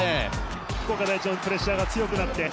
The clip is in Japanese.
福岡第一のプレッシャーが強くなって。